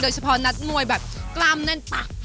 เฉพาะนัดมวยแบบกล้ามแน่นปัก